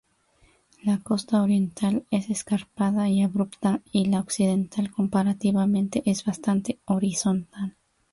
La costa oriental es escarpada y abrupta, y la occidental, comparativamente, es bastante horizontal.